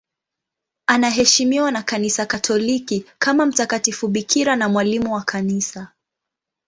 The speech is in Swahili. Anaheshimiwa na Kanisa Katoliki kama mtakatifu bikira na mwalimu wa Kanisa.